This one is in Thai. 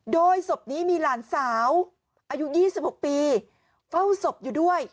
โดยศพนี้มีหลานสาวอายุ๒๖ปีเฝ้าศพอยู่ด้วย